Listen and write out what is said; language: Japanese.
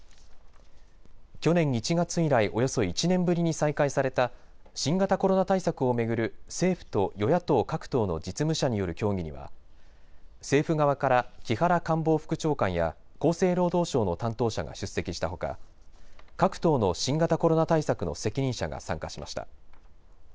去年１月以来、およそ１年ぶりに再開された新型コロナ対策を巡る政府と与野党各党の実務者による協議には政府側から木原官房副長官や厚生労働省の担当者が出席したほか、各党の新型コロナ対策の責任者が参加しました。